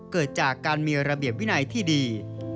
เกิดจากการมีระเบียบวินัยที่ดี